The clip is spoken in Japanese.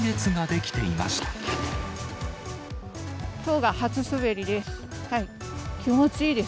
きょうが初滑りです。